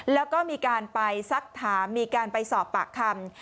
แล้วก็มีการไปสักถามมีการไปสอบปากคำ